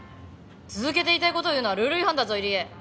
続けて言いたいこと言うのはルール違反だぞ入江。